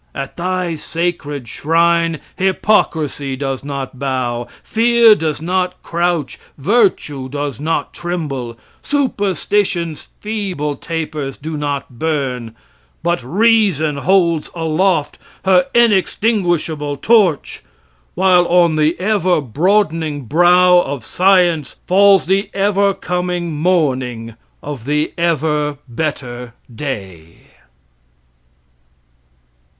At thy sacred shrine hypocrisy does not bow, fear does not crouch, virtue does not tremble, superstition's feeble tapers do not burn, but reason holds aloft her inextinguishable torch, while on the ever broadening brow of science falls the ever coming morning of the ever better day.